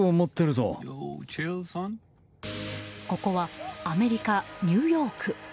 ここはアメリカ・ニューヨーク。